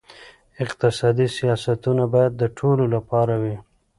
اقتصادي سیاستونه باید د ټولو لپاره وي.